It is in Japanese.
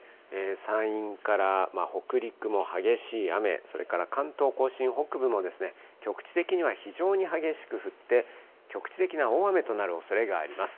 山陰から北陸も激しい雨、それから関東甲信北部も局地的には非常に激しく降って、局地的な大雨となるおそれがあります。